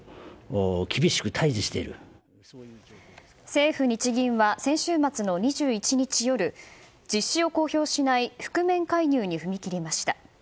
政府・日銀は先週末の２１日夜実施を公表しない覆面介入に踏み切りました。